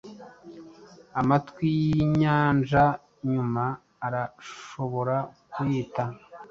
Amatwi yinyanja nyuma arashobora kuyita